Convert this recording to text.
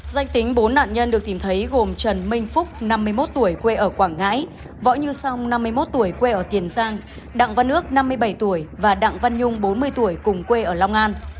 danh tính bốn nạn nhân được tìm thấy gồm trần minh phúc năm mươi một tuổi quê ở quảng ngãi võ như song năm mươi một tuổi quê ở tiền giang đặng văn ước năm mươi bảy tuổi và đặng văn nhung bốn mươi tuổi cùng quê ở long an